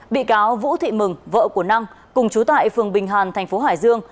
bị cáo vũ thị mừng vợ của năng cùng trú tại phường bình hàn thành phố hải dương